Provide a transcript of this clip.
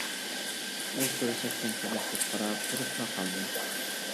ئۇ كۆرسەتكەن تەرەپكە قاراپ تۇرۇپلا قالدىم.